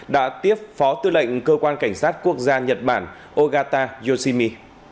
đã tiếp phó tư lệnh cơ quan cảnh sát quốc gia nhật bản ogata yoshimi